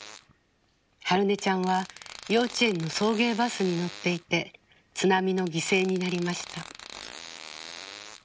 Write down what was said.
春音ちゃんは幼稚園の送迎バスに乗っていて津波の犠牲になりました。